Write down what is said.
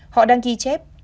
họ đang ghi chép